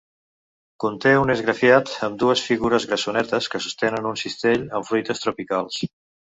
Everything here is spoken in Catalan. Conté un esgrafiat amb dues figures grassonetes que sostenen un cistell amb fruites tropicals.